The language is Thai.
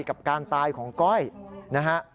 กับการตายของก้อยนะฮะ